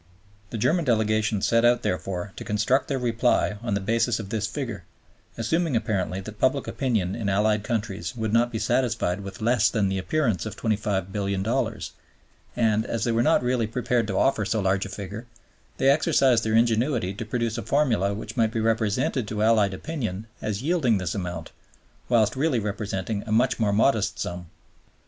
The German Delegation set out, therefore, to construct their reply on the basis of this figure, assuming apparently that public opinion in Allied countries would not be satisfied with less than the appearance of $25,000,000,000; and, as they were not really prepared to offer so large a figure, they exercised their ingenuity to produce a formula which might be represented to Allied opinion as yielding this amount, whilst really representing a much more modest sum.